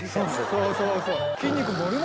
そうそうそう。